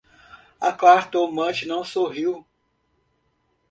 A cartomante não sorriu: